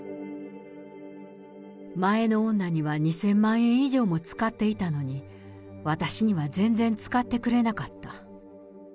前の女には２０００万円以上も使っていたのに、私には全然使ってくれなかった。